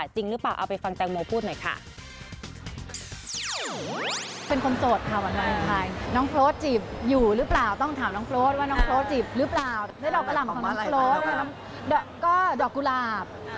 จริงหรือเปล่าเอาไปฟังแตงโมพูดหน่อยค่ะ